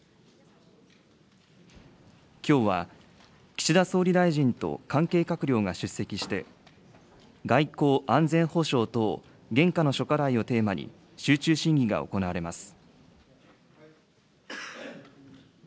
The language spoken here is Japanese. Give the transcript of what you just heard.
きょうは、岸田総理大臣と関係閣僚が出席して、外交・安全保障等現下の諸課題をテーマに集中審議が行われます。